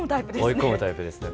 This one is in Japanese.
追い込むタイプですね